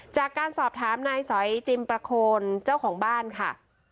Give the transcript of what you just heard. จากการสอบถามนายสอยจิมประโคนเจ้าของบ้านค่ะ